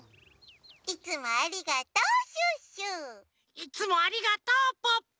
いつもありがとうポッポ。